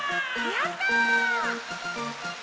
やった！